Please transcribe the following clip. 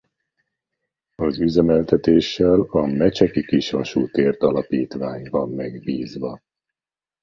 Az üzemeltetéssel A Mecseki Kisvasútért Alapítvány van megbízva.